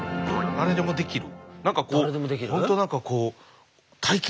誰でもできる？